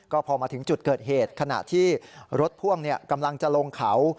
ก็พอมาถึงจุดเกิดเหตุขณะที่รถพ่วงกำลังจะลงเขา